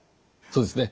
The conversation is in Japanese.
そうですね。